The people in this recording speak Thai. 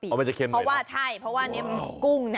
เพราะว่ามันจะเค็มไหมครับอเรนนี่ใช่เพราะว่านี่กุ้ง